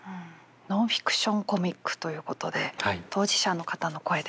ノンフィクションコミックということで当事者の方の声ですね。